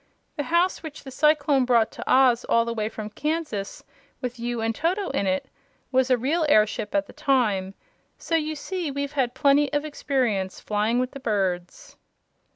The house which the cyclone brought to Oz all the way from Kansas, with you and Toto in it was a real airship at the time; so you see we've got plenty of experience flying with the birds."